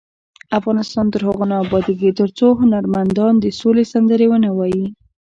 افغانستان تر هغو نه ابادیږي، ترڅو هنرمندان د سولې سندرې ونه وايي.